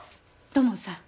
土門さん。